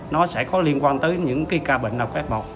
nó sẽ có liên quan tới những ca bệnh nào có f một